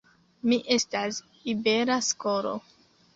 Ni estas Ibera Skolo.